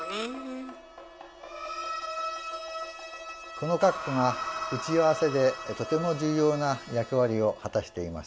この鞨鼓が打ち合わせでとても重要な役割を果たしています。